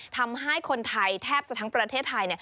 ทำให้คนไทยแทบจะทั้งประเทศไทย